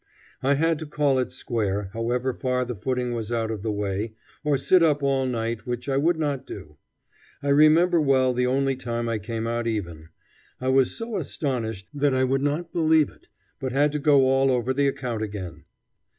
I had to call it square, however far the footing was out of the way, or sit up all night, which I would not do. I remember well the only time I came out even. I was so astonished that I would not believe it, but had to go all over the account again.